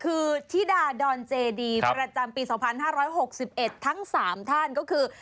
คือธิดาดอนเจดีประจำปี๒๕๖๑ทั้ง๓ท่านก็คือ